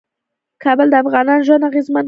کابل د افغانانو ژوند اغېزمن کوي.